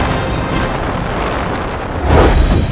aku mau kesana